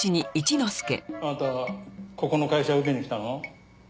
あなたここの会社受けに来たの？